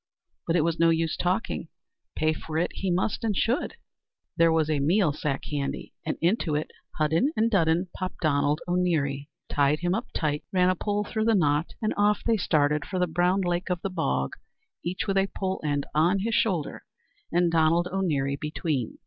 But it was no use talking. Pay for it he must, and should. There was a meal sack handy, and into it Hudden and Dudden popped Donald O'Neary, tied him up tight, ran a pole through the knot, and off they started for the Brown Lake of the Bog, each with a pole end on his shoulder, and Donald O'Neary between.